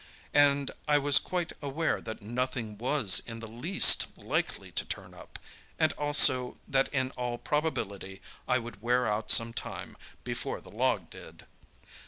And I was quite aware that nothing was in the least likely to turn up, and also that in all probability I would wear out some time before the log did.